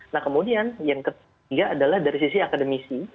nah kemudian yang ketiga adalah dari sisi akademisi